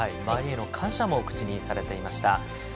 周りへの感謝も口にされていました。